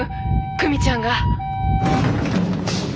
久美ちゃんが！